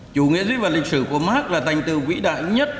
chủ nghĩa dưới vật lịch sử của mark là thành tựu vĩ đại nhất